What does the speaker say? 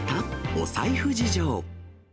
お財布事情。